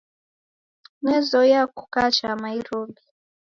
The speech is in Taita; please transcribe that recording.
Nezoiya kukaa cha Mairobi